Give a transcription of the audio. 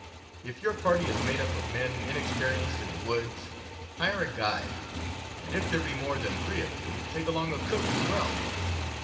If your party is made up of men inexperienced in the woods, hire a guide, and, if there be more than three of you, take along a cook as well.